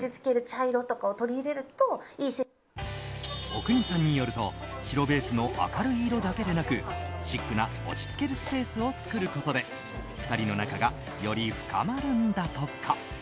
阿国さんによると白ベースの明るい色だけでなくシックな落ち着けるスペースを作ることで２人の仲がより深まるんだとか。